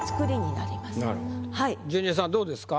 なるほどジュニアさんどうですか？